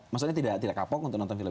maksudnya tidak kapok untuk nonton film